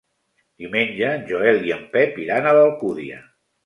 Diumenge en Joel i en Pep iran a l'Alcúdia.